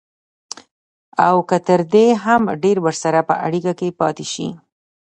او که تر دې هم ډېر ورسره په اړيکه کې پاتې شي.